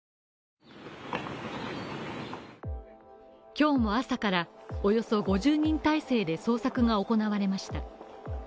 今日も朝からおよそ５０人態勢で捜査が始まりました。